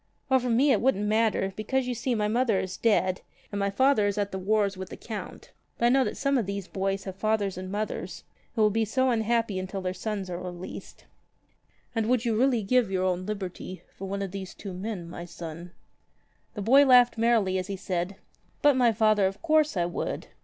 "O for me it wouldn't matter, because, you see, my mother is dead, and my father is at the wars with the Count. But I know that some of these boys have fathers and mothers who will be so unhappy until their sons are released." "And would you really give your own liberty for one of these two men, my son?" The boy laughed merrily as he said : "But, my father, of course I would.